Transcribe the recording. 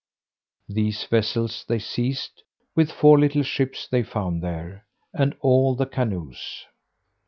These vessels they seized, with four little ships they found there, and all the canoes.